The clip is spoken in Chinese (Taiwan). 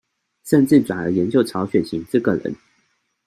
甚至轉而研究曹雪芹這個人